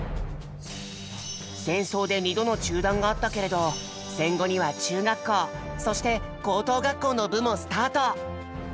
戦争で２度の中断があったけれど戦後には中学校そして高等学校の部もスタート。